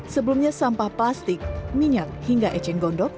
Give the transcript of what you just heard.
sebelumnya sampah plastik minyak hingga eceng gondok